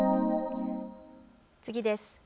次です。